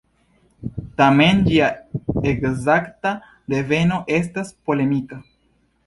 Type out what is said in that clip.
Tamen ĝia ekzakta deveno estas polemika.